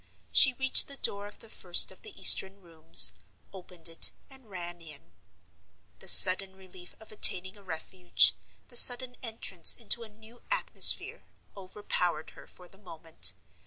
She reached the door of the first of the eastern rooms, opened it, and ran in. The sudden relief of attaining a refuge, the sudden entrance into a new atmosphere, overpowered her for the moment.